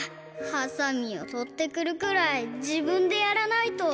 ハサミをとってくるくらいじぶんでやらないと。